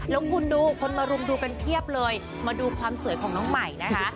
แล้วคุณดูคนมารุมดูกันเพียบเลยมาดูความสวยของน้องใหม่นะคะ